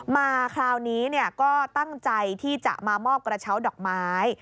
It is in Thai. มาคราวนี้ก็ตั้งใจที่จะมามอบกระเช้าดอกไม้